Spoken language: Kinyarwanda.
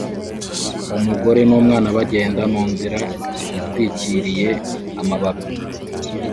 Umugore n'umwana bagenda munzira itwikiriye amababi